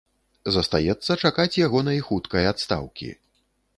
Застаецца чакаць ягонай хуткай адстаўкі.